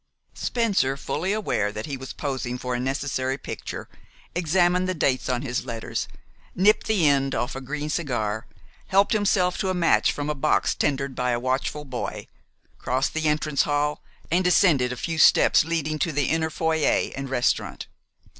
Spencer, fully aware that he was posing for a necessary picture, examined the dates on his letters, nipped the end off a green cigar, helped himself to a match from a box tendered by a watchful boy, crossed the entrance hall, and descended a few steps leading to the inner foyer and restaurant.